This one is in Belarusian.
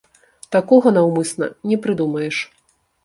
Такога наўмысна не прыдумаеш.